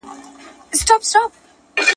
هغه څوک چي سیر کوي روغ وي!.